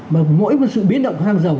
mà mỗi một sự biến động của xăng dầu